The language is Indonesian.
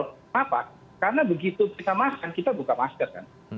kenapa karena begitu kita makan kita buka masker kan